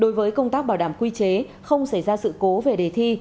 đối với công tác bảo đảm quy chế không xảy ra sự cố về đề thi